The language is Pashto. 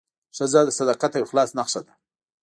ښځه د صداقت او اخلاص نښه ده.